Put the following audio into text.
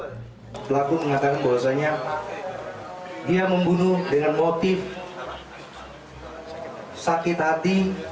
pelaku mengatakan bahwasanya dia membunuh dengan motif sakit hati